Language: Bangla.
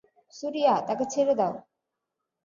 সুরিয়া, তাকে ছেড়ে দাও।